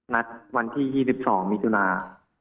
นัดวันที่๒๒มิถุนา